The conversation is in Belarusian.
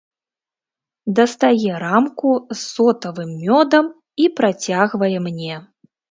Дастае рамку з сотавым мёдам і працягвае мне.